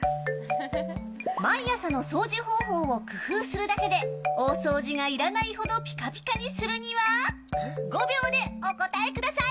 毎朝の掃除方法を工夫するだけで大掃除がいらないほどぴかぴかにするには５秒でお答えください。